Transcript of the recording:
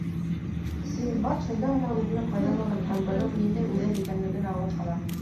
Синдбад шунда ғына үҙенең ҡайҙалығын һәм бының ниндәй үҙән икәнен аңлап ҡала.